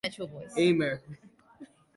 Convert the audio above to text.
Amer.